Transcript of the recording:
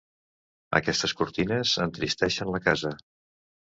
Aquestes cortines entristeixen la casa.